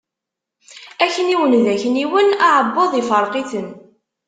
Akniwen d akniwen, aɛebbuḍ ifreq-iten.